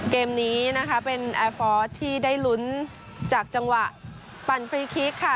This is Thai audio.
เกมนี้นะคะเป็นแอร์ฟอร์สที่ได้ลุ้นจากจังหวะปั่นฟรีคลิกค่ะ